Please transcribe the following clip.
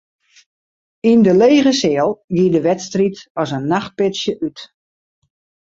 Yn de lege seal gie de wedstriid as in nachtpitsje út.